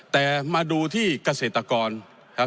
แต่มาดูที่เกษตรกรครับ